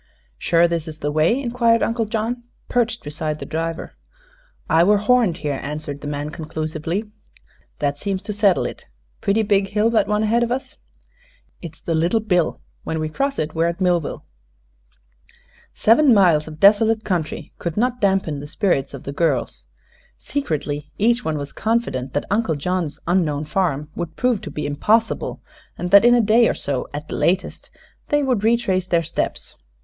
"Sure this is the way?" inquired Uncle John, perched beside the driver. "I were horned here," answered the man, conclusively. "That seems to settle it. Pretty big hill, that one ahead of us." "It's the Little Bill. When we cross it, we're at Millville." Seven miles of desolate country could not dampen the spirits of the girls. Secretly each one was confident that Uncle John's unknown farm would prove to be impossible, and that in a day or so at the latest they would retrace their steps.